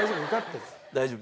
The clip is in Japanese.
大丈夫。